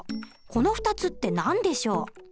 この２つって何でしょう？